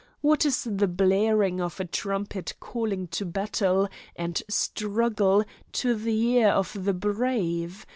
What is the blaring of a trumpet calling to battle and struggle to the ear of the brave?